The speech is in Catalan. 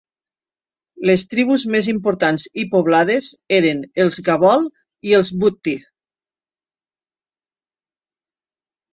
Les tribus més importants i poblades eren els gabol i els bugti.